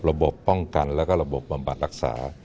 ระบบป้องกันแล้วก็ระบบบำบัดรักษา